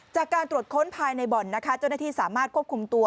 จากการตรวจค้นภายในบ่อนนะคะเจ้าหน้าที่สามารถควบคุมตัว